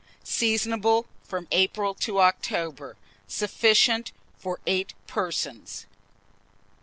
Seasonable from April to October. Sufficient for 8 persons.